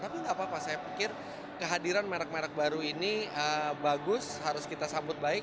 tapi nggak apa apa saya pikir kehadiran merek merek baru ini bagus harus kita sambut baik